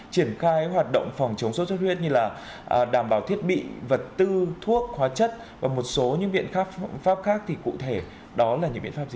triển khai hoạt động phòng chống sốt xuất huyết như là đảm bảo thiết bị vật tư thuốc hóa chất và một số những biện pháp khác thì cụ thể đó là những biện pháp gì